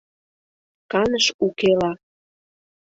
Каныш укела...